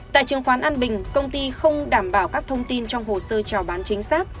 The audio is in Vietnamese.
tại trường khoán an bình công ty không đảm bảo các thông tin trong hồ sơ trào bán chính xác